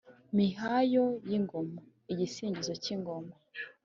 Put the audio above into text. Mihayo y’ingoma: igisingizo k’ingoma.